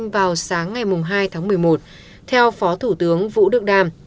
vào sáng ngày hai tháng một mươi một theo phó thủ tướng vũ đức đam